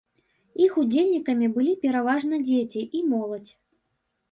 Іх удзельнікамі былі пераважна дзеці і моладзь.